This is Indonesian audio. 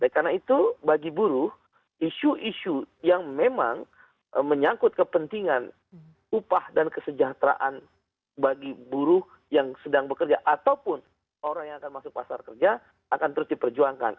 karena itu bagi buru isu isu yang memang menyangkut kepentingan upah dan kesejahteraan bagi buru yang sedang bekerja ataupun orang yang akan masuk pasar kerja akan terus diperjuangkan